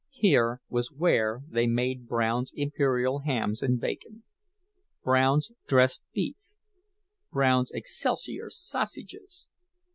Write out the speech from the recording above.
Here was where they made Brown's Imperial Hams and Bacon, Brown's Dressed Beef, Brown's Excelsior Sausages!